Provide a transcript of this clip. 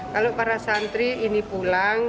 kalau para santri ini pulang